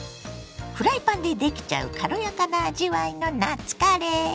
フライパンでできちゃう軽やかな味わいの夏カレー。